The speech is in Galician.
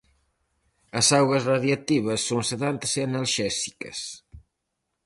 As augas radioactivas son sedantes e analxésicas.